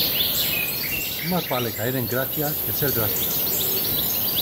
Más vale caer en gracia que ser gracioso.